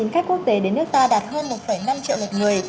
khách quốc tế đến nước ta đạt hơn một năm triệu lượt người